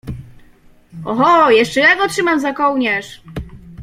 — Oho, jeszcze ja go trzymam za kołnierz!